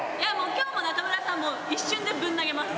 今日も中村さんもう一瞬でぶん投げます。